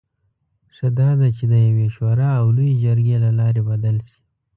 ښه دا ده چې د یوې شورا او لویې جرګې له لارې بدل شي.